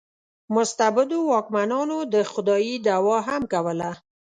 مستبدو واکمنانو د خدایي دعوا هم کوله.